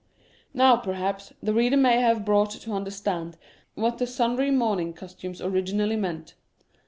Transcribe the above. Now, perhaps, the reader may have been brought to understand what the sundry mourning costumes originally meant.